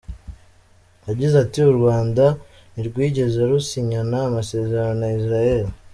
Yagize ati “U Rwanda ntirwigeze rusinyana amasezerano na Israel.